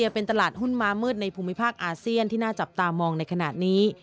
เป็นตลาดหุ้นม้ามืดในภูมิภาคอาเซียนที่น่าจับตามองในขณะนี้